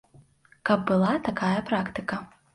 Каб была такая практыка.